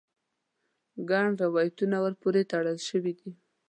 ګڼ روایتونه ور پورې تړل شوي دي.